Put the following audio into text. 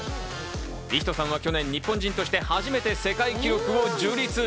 龍人さんは去年、日本人として初めて世界記録を樹立。